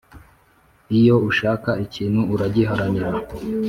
Iyo ushaka ikintu uragiharanira